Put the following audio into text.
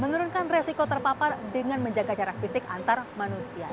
menurunkan resiko terpapar dengan menjaga jarak fisik antar manusia